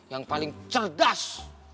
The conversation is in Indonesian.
yang paling cerdas